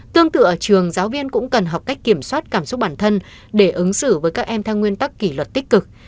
tương tự ở trường giáo viên cũng cần học cách kiểm soát cảm xúc bản thân để ứng xử với các em theo nguyên tắc kỷ luật tích cực